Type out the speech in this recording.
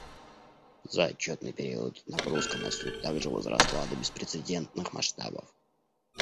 За отчетный период нагрузка на Суд также возросла до беспрецедентных масштабов.